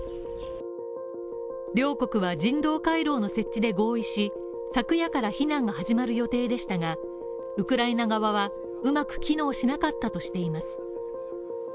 両国は人道回廊の設置で合意し、昨夜から避難が始まる予定でしたが、ウクライナ側はうまく機能しなかったとしています。